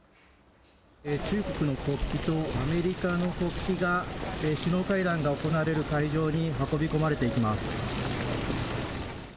中国の国旗とアメリカの国旗が、首脳会談が行われる会場に運び込まれていきます。